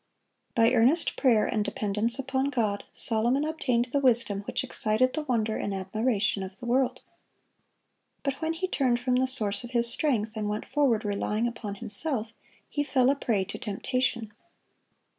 By earnest prayer and dependence upon God, Solomon obtained the wisdom which excited the wonder and admiration of the world. But when he turned from the Source of his strength, and went forward relying upon himself, he fell a prey to temptation.